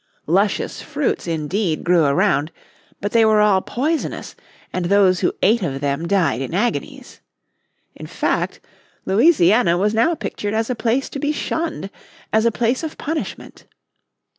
Luscious fruits indeed grew around, but they were all poisonous and those who ate of them died in agonies. In fact Louisiana was now pictured as a place to be shunned, as a place of punishment.